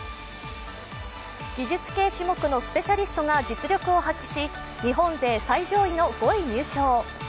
技術系種目のスペシャリストが実力を発揮し日本勢最上位の５位入賞。